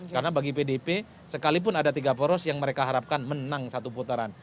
karena bagi pdip sekalipun ada tiga poros yang mereka harapkan menang satu putaran